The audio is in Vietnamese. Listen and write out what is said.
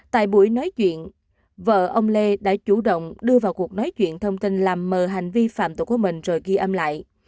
tại buổi nói chuyện vợ ông lê đã chủ động đưa vào cuộc nói chuyện thông tin làm mờ hành vi phạm tội của mình rồi ghi âm lại